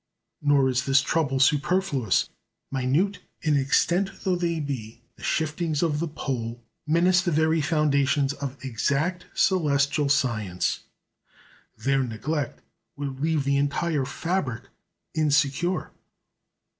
Nor is this trouble superfluous. Minute in extent though they be, the shiftings of the pole menace the very foundations of exact celestial science; their neglect would leave the entire fabric insecure.